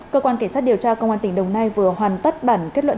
cơ quan cảnh sát điều tra công an tỉnh đồng nai vừa hoàn tất bản kết luận